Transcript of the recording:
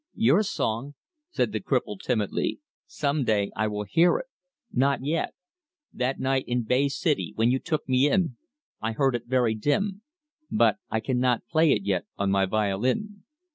"Your Song," said the cripple timidly, "some day I will hear it. Not yet. That night in Bay City, when you took me in, I heard it very dim. But I cannot play it yet on my violin."